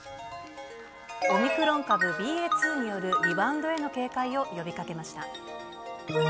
オミクロン株ＢＡ．２によるリバウンドへの警戒を呼びかけました。